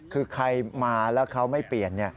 คือใครมาแล้วเขาไม่เปลี่ยน